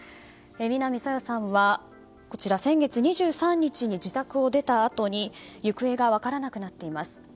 南朝芽さんは先月２３日に自宅を出たあとに行方が分からなくなっています。